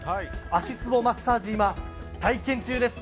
足つぼマッサージ、体験中です。